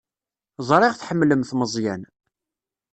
Ẓriɣ tḥemmlemt Meẓyan.